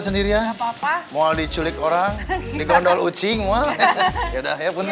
sendiri apa apa mau diculik orang di gondol ucing ya udah ya pun ya